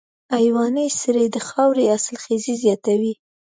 حیواني سرې د خاورې حاصلخېزي زیاتوي.